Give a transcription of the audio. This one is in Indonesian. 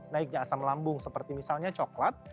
naiknya asam lambung seperti misalnya coklat